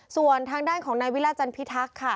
ส่วนทางด้านของนายวิราชจันพิทักษ์ค่ะ